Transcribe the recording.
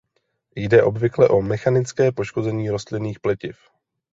Jde obvykle o mechanické poškození rostlinných pletiv.